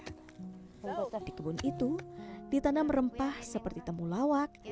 di kebun itu ditanam rempah seperti temulawak